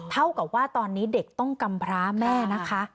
เท่ากับว่าตอนนี้เด็กต้องกำพร้าแม่นะคะ